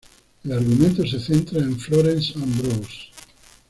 El argumento se centra en Florence Ambrose.